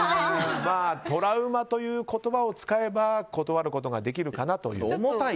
トラウマという言葉を使えば断ることができるかなと。